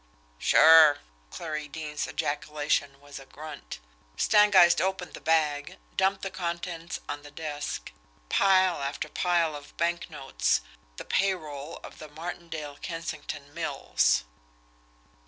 "Sure!" Clarie Deane's ejaculation was a grunt. Stangeist opened the bag, and dumped the contents on the desk pile after pile of banknotes, the pay roll of the Martindale Kensington Mills.